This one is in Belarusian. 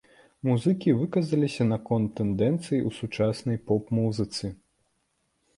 Музыкі выказаліся наконт тэндэнцый у сучаснай поп-музыцы.